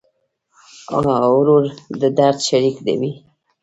ورور د درد شریک وي.